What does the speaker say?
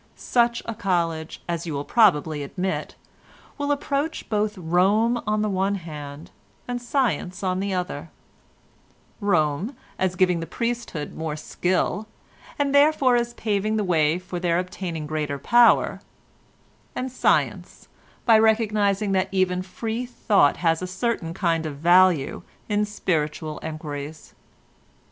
Such a college, as you will probably admit, will approach both Rome on the one hand, and science on the other—Rome, as giving the priesthood more skill, and therefore as paving the way for their obtaining greater power, and science, by recognising that even free thought has a certain kind of value in spiritual enquiries.